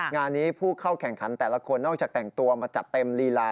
งานนี้ผู้เข้าแข่งขันแต่ละคนนอกจากแต่งตัวมาจัดเต็มลีลา